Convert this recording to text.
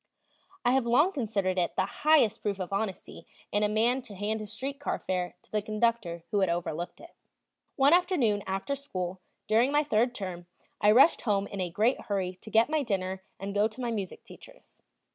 I have long considered it the highest proof of honesty in a man to hand his street car fare to the conductor who had overlooked it. One afternoon after school, during my third term, I rushed home in a great hurry to get my dinner and go to my music teacher's.